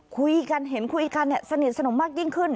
คุยกันเห็นคุยกันสนิทสนมมากยิ่งขึ้น